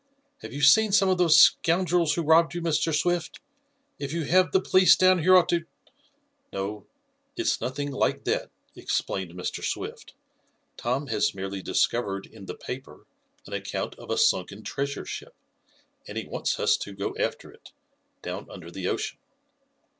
"Have you seen some of those scoundrels who robbed you, Mr. Swift? If you have, the police down here ought to " "No, it's nothing like that," explained Mr. Swift. "Tom has merely discovered in the paper an account of a sunken treasure ship, and he wants us to go after it, down under the ocean."